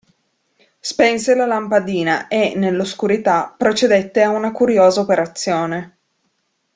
Spense la lampadina e, nell'oscurità, procedette a una curiosa operazione.